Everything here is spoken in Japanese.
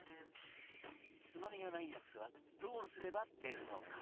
つまみがないやつはどうすれば出るのか？